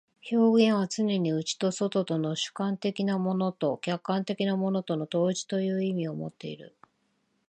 表現はつねに内と外との、主観的なものと客観的なものとの統一という意味をもっている。